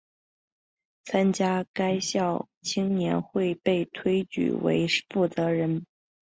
参加该校青年会并被推选为负责人。